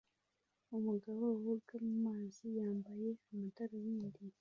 Umugabo woga mu mazi yambaye amadarubindi